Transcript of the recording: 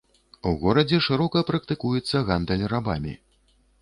У горадзе шырока практыкуецца гандаль рабамі.